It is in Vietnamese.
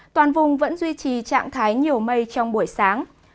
toàn vùng vẫn duy trì trạng thái nhiều mây trong buổi sáng